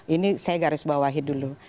ini saya garis bawahi dulu